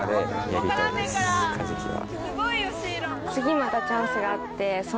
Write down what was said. カジキは。